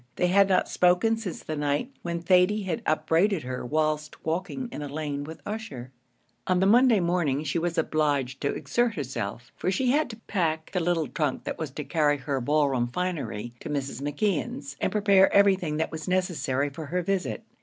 They had not spoken since the night when Thady had upbraided her whilst walking in the lane with Ussher. On the Monday morning she was obliged to exert herself, for she had to pack the little trunk that was to carry her ball room finery to Mrs. McKeon's, and prepare everything that was necessary for her visit.